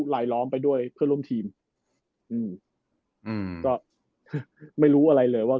ลายล้อมไปด้วยเพื่อนร่วมทีมอืมอืมก็ไม่รู้อะไรเลยว่า